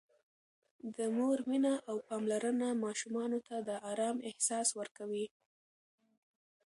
د مور مینه او پاملرنه ماشومانو ته د آرام احساس ورکوي.